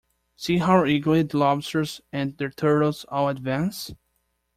See how eagerly the lobsters and the turtles all advance!